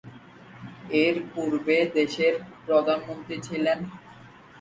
এরপূর্বে দেশের প্রধানমন্ত্রী ছিলেন।